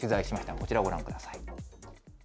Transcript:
こちらをご覧ください。